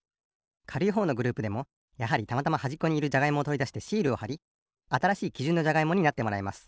かるいほうのグループでもやはりたまたまはじっこにいるじゃがいもをとりだしてシールをはりあたらしいきじゅんのじゃがいもになってもらいます。